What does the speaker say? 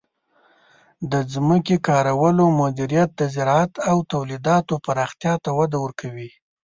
د ځمکې کارولو مدیریت د زراعت او تولیداتو پراختیا ته وده ورکوي.